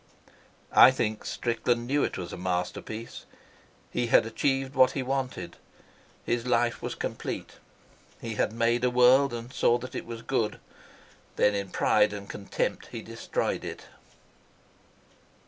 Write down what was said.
"I think Strickland knew it was a masterpiece. He had achieved what he wanted. His life was complete. He had made a world and saw that it was good. Then, in pride and contempt, he destroyed it."